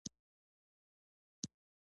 د غواګانو د شیدو ماشین شته؟